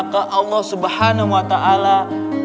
kalian harus sholat terawih